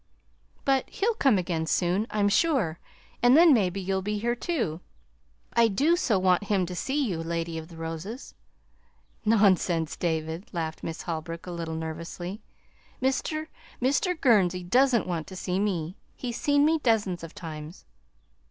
"But he'll come again soon, I'm sure, and then maybe you'll be here, too. I do so want him to see you, Lady of the Roses!" "Nonsense, David!" laughed Miss Holbrook a little nervously. "Mr. Mr. Gurnsey doesn't want to see me. He's seen me dozens of times."